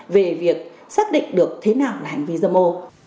về việc xác định được thế nào là hành vi dâm ô